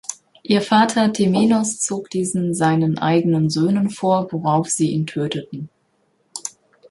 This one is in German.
Ihr Vater Temenos zog diesen seinen eigenen Söhnen vor, worauf sie ihn töteten.